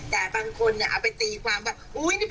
เข้าข้างคนผิดนะครับ